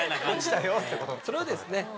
それをですね